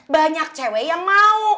banyak cewek yang mau